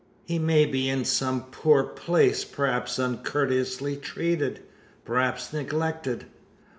He may be in some poor place perhaps uncourteously treated perhaps neglected?